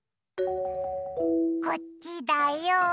こっちだよ！